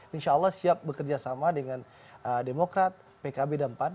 insya allah siap bekerjasama dengan demokrat pkb dan pan